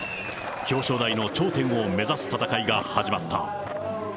表彰台の頂点を目指す戦いが始まった。